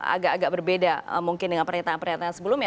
agak agak berbeda mungkin dengan pernyataan pernyataan sebelumnya